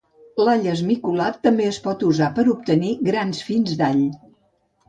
L'all esmicolat també es pot usar per obtenir grans fins d'all.